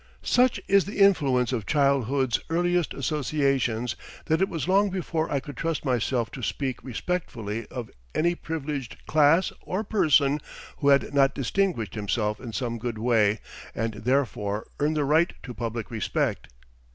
Such is the influence of childhood's earliest associations that it was long before I could trust myself to speak respectfully of any privileged class or person who had not distinguished himself in some good way and therefore earned the right to public respect.